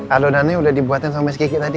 alunannya sudah dibuatkan sampai sedikit tadi